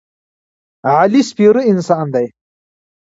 علي سپېره انسان دی.